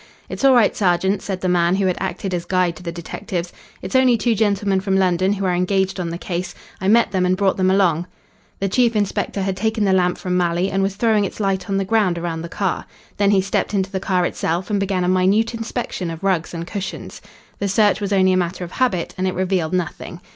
"It's all right, sergeant," said the man who had acted as guide to the detectives. "It's only two gentlemen from London who are engaged on the case. I met them and brought them along." The chief inspector had taken the lamp from Malley and was throwing its light on the ground around the car. Then he stepped into the car itself and began a minute inspection of rugs and cushions. The search was only a matter of habit, and it revealed nothing.